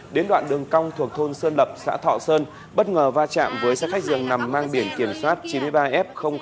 đến đoạn đường cong thuộc thôn sơn lập xã thọ sơn bất ngờ va chạm với xe khách dường nằm mang biển kiểm soát chín mươi ba f một